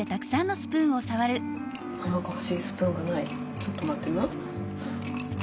ちょっと待ってな。